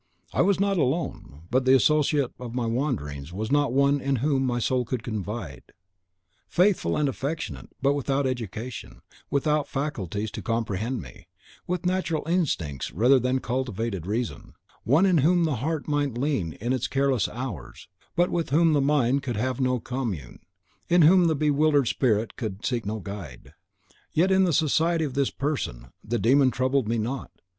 "I was not alone, but the associate of my wanderings was not one in whom my soul could confide, faithful and affectionate, but without education, without faculties to comprehend me, with natural instincts rather than cultivated reason; one in whom the heart might lean in its careless hours, but with whom the mind could have no commune, in whom the bewildered spirit could seek no guide. Yet in the society of this person the demon troubled me not.